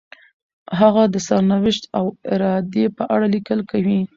هغه د سرنوشت او ارادې په اړه لیکل کوي.